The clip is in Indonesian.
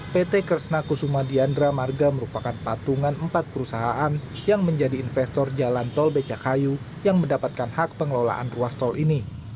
pt kresna kusuma diandra marga merupakan patungan empat perusahaan yang menjadi investor jalan tol becakayu yang mendapatkan hak pengelolaan ruas tol ini